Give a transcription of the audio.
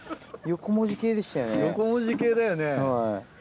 横文字系だよね。